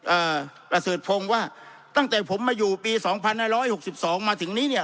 เอ่อประเสริฐพงศ์ว่าตั้งแต่ผมมาอยู่ปีสองพันห้าร้อยหกสิบสองมาถึงนี้เนี่ย